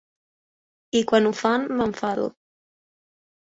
I quan ho fan, m'enfado.